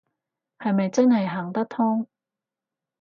係咪真係行得通